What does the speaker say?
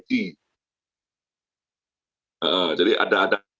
yang hidangan ote ote itu biasanya disebut hegemon